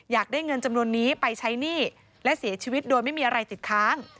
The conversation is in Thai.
อยากได้เงินจำนวนนี้ไปใช้หนี้และเสียชีวิตโดยไม่มีอะไรติดค้าง